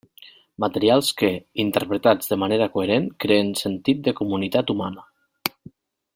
Materials que, interpretats de manera coherent, creen sentit de comunitat humana.